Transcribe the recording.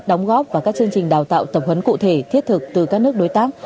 đóng góp và các chương trình đào tạo tập huấn cụ thể thiết thực từ các nước đối tác